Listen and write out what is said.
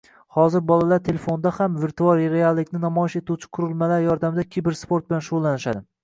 Hozirgi bolalar telefonda ham virual reallikni namoyish etuvchi qurilmalar yordamida kibersport bilan shugʻullanishadi.